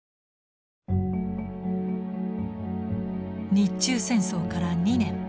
日中戦争から２年。